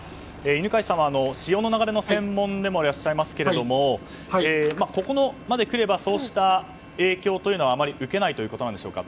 犬飼さんは潮の流れの専門でもあられますがここまでくればそうした影響はあまり受けないということでしょうか。